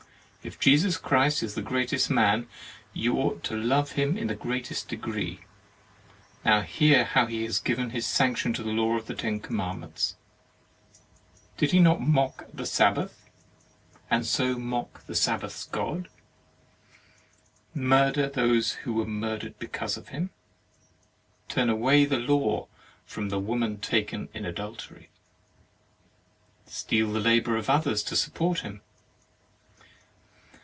If Jesus Christ is the greatest man, you ought to love Him in the greatest degree. Now hear how He has given His sanction to the law of ten com mandments. Did He not mock at the Sabbath, and so mock the Sabbath's God? murder those who were mur dered because of Him? turn away the law from the woman taken in adultery, steal the labour of others to support Him?